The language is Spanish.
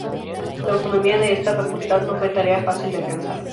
La autonomía de esta Facultad no fue tarea fácil de alcanzar.